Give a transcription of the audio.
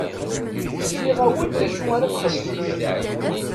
Mliɣ-awen d acu ara txedmem.